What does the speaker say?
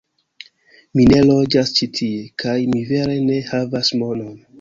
Mi ne loĝas ĉi tie, kaj mi vere ne havas monon